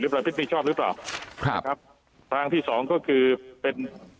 หรือเปล่าผิดผิดชอบหรือเปล่าครับครับทางที่สองก็คือเป็น